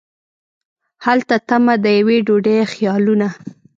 هلته تمه د یوې ډوډۍ خیالونه